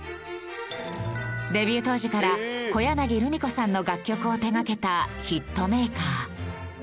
デビュー当時から小柳ルミ子さんの楽曲を手掛けたヒットメーカー。